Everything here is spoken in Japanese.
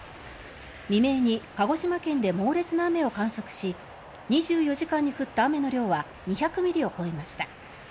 未明に鹿児島県で猛烈な雨を観測し２４時間に降った雨の量は２００ミリを超えました。